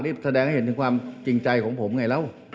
นี่แสดงให้เห็นถึงความจริงใจของผมไงแล้ว